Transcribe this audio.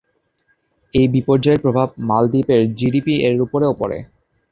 এই বিপর্যয়ের প্রভাব মালদ্বীপের জিডিপি এর উপরও পরে।